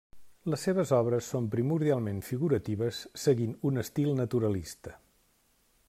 Les seves obres són primordialment figuratives, seguint un estil naturalista.